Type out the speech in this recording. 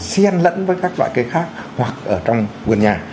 sen lẫn với các loại cây khác hoặc ở trong vườn nhà